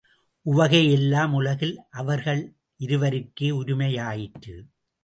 உவகை யெல்லாம் உலகில் அவர்களிருவருக்கே உரிமை யாயிற்று.